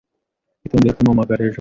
Witondere kumpamagara ejo mugitondo.